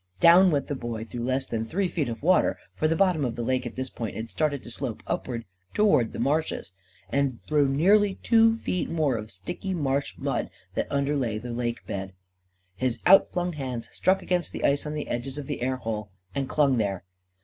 Down went the Boy through less than three feet of water (for the bottom of the lake at this point had started to slope upward towards the marshes) and through nearly two feet more of sticky marsh mud that underlay the lake bed. His outflung hands struck against the ice on the edges of the air hole, and clung there.